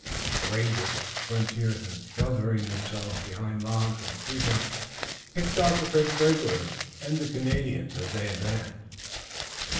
The rangers and the frontiersmen, sheltering themselves behind logs and tree trunks, picked off the French regulars and the Canadians as they advanced.